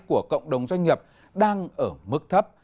của cộng đồng doanh nghiệp đang ở mức thấp